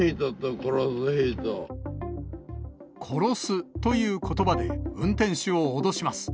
殺すということばで、運転手を脅します。